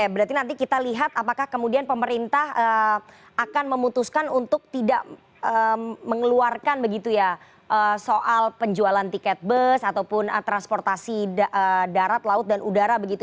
oke berarti nanti kita lihat apakah kemudian pemerintah akan memutuskan untuk tidak mengeluarkan begitu ya soal penjualan tiket bus ataupun transportasi darat laut dan udara begitu